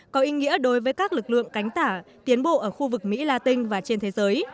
có ý nghĩa đối với các lực lượng cánh tả tiến bộ ở khu vực mỹ la tinh và trên thế giới